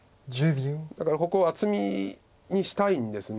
だからここを厚みにしたいんです。